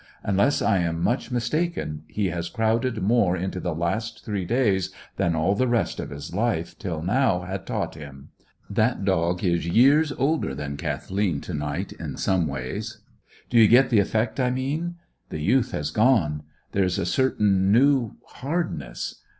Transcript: Unless I am much mistaken he has crowded more into the last three days than all the rest of his life till now had taught him. That dog's years older than Kathleen to night in some ways. Do you get the effect I mean? The youth has gone; there is a certain new hardness.